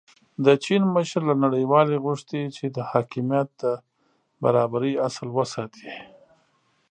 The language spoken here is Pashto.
د چین مشر له نړیوالې غوښتي چې د حاکمیت د برابرۍ اصل وساتي.